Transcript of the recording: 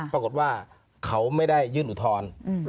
ปรากฏว่าเขาไม่ได้ยื่นอุทธรณ์